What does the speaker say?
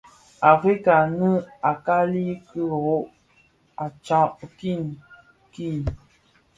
Afrika nʼl, a kali ki rö, a tsad king kii.